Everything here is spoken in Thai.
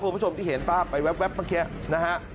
คุณผู้ชมที่เห็นภาพไปแว๊บเมื่อกี้นะฮะ